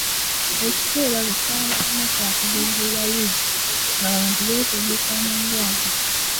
Ekiseera bwe kyabanga kya kugogola luzzi nga abantu beetegeka amangu ago.